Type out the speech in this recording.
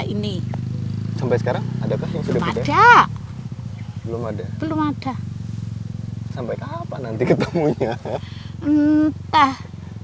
ini sampai sekarang adakah yang sudah beda belum ada belum ada sampai kapan nanti ketemunya entah